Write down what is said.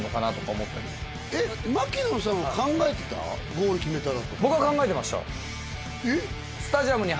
ゴール決めたら。